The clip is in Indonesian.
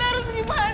kamu kutip putih